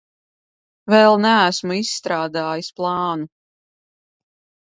Vēl neesmu izstrādājis plānu.